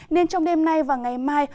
nên trong đêm nay và ngày mai